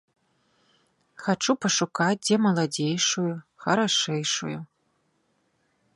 Хачу пашукаць дзе маладзейшую, харашэйшую.